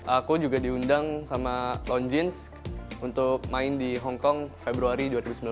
aku juga diundang sama longines untuk main di hong kong februari dua ribu sembilan belas